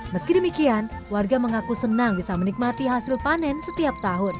meski demikian warga mengaku senang bisa menikmati hasil panen setiap tahun